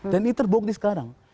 dan ini terbukti sekarang